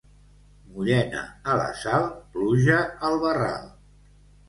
Mullena a la sal, pluja al barral.